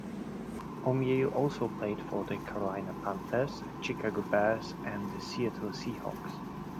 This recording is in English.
Omiyale also played for the Carolina Panthers, Chicago Bears, and the Seattle Seahawks.